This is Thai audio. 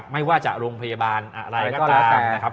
ไม่ว่าจะโรงพยาบาลอะไรก็ตาม